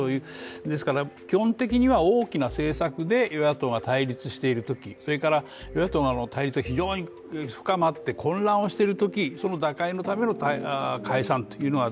ですから基本的には、大きな政策で与野党が対立しているときそれから与野党の対立が非常に高まっ混乱をしているとき、その打開のための解散というのが